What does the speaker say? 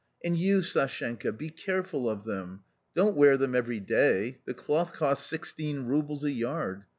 And you, Sashenka, be careful of them; don't wear them every day ; the cloth cost sixteen roubles a yard.